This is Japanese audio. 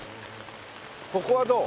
ここはどう？